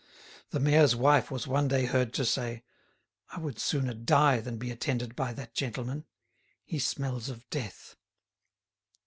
The mayor's wife was one day heard to say: "I would sooner die than be attended by that gentleman. He smells of death."